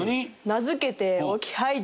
名付けて。